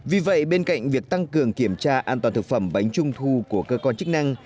vì vậy bên cạnh việc tăng cường kiểm tra an toàn thực phẩm bánh trung thu của cơ quan chức năng